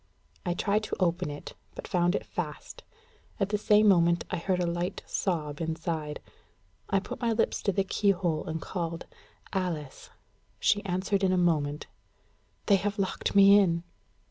I tried to open it, but found it fast. At the same moment I heard a light sob inside. I put my lips to the keyhole, and called "Alice." She answered in a moment: "They have locked me in."